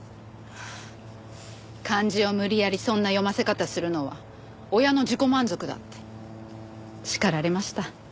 漢字を無理やりそんな読ませ方するのは親の自己満足だって叱られました。